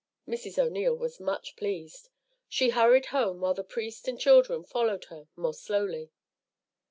Mrs. O'Neil was much pleased. She hurried home, while the priest and children followed her more slowly.